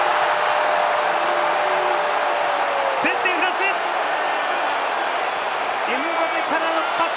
先制、フランス！